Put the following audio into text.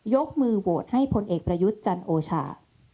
ยกมือโหวตให้พลเอกประยุทธ์จันโอชา